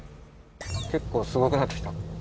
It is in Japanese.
結構すごくなって来た。